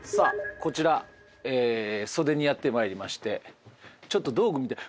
こちら袖にやってまいりましてちょっと道具見たいうわ